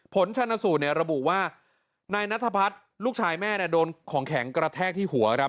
ผลชนสูตรระบุว่าในนัฐพรรดิลูกชายแม่โดนของแข็งกระแทกที่หัว